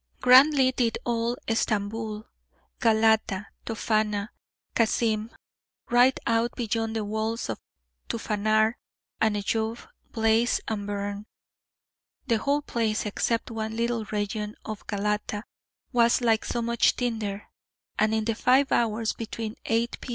Grandly did old Stamboul, Galata, Tophana, Kassim, right out beyond the walls to Phanar and Eyoub, blaze and burn. The whole place, except one little region of Galata, was like so much tinder, and in the five hours between 8 P.